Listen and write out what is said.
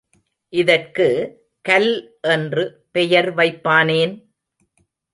இதற்கு கல் என்று பெயர் வைப்பானேன்?